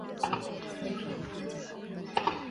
奥克拉荷马市位于奥克拉荷马州的中部。